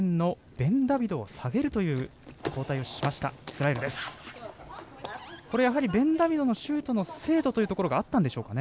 ベンダビドのシュートの精度というのがあったんですかね。